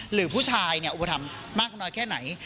หรือผู้ชายอุปถัมภ์มากน้อยแค่ไหน